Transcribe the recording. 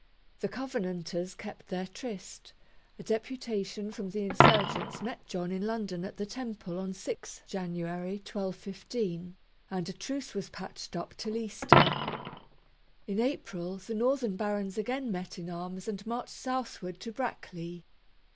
The covenanters kept their tryst; a deputation from the insurgents met John in London at the Temple on 6 January, 1215; and a truce was patched up till Easter. In April, the northern barons again met in arms and marched southward to Brackley.